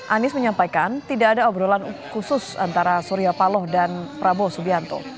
anies menyampaikan tidak ada obrolan khusus antara surya paloh dan prabowo subianto